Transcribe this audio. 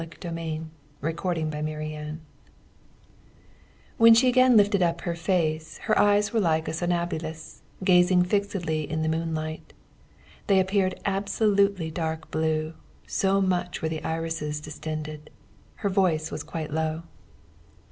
CHAPTER XIII WHAT HAPPENED AFTER THAT When she again lifted up her face, her eyes were like a somnambulist's gazing fixedly in the moonlight. They appeared absolutely dark blue, so much were the irises distended. Her voice was quite low.